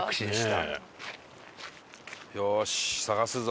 伊達：よし、探すぞ！